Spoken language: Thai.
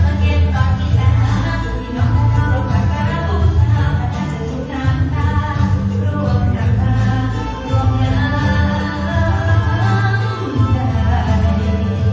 มันเก็บตอนที่หลังที่น้องเจ้าพระเจ้าสำหรับเจ้าสิ่งทางทางร่วมทางทางหลวงอย่างใจ